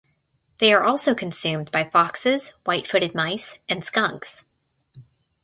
They are also consumed by foxes, white-footed mice, and skunks.